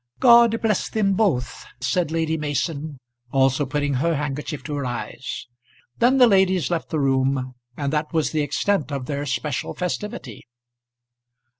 "God bless them both!" said Lady Mason, also putting her handkerchief to her eyes. Then the ladies left the room, and that was the extent of their special festivity.